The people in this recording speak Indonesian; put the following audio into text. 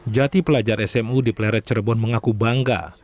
jati pelajar smu di pleret cirebon mengaku bangga